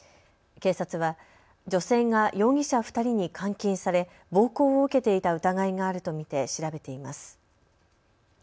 警察は女性が容疑者２人に監禁され、暴行を受けていた疑いがあると見て調べています。